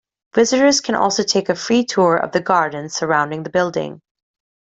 Visitors can also take a free tour of the gardens surrounding the building.